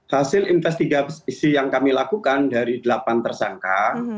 hasil investigasi yang kami lakukan dari delapan tersangka